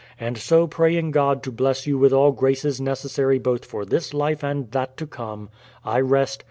And so, praying God to bless you with all graces necessary both for this life and that to come, I rest.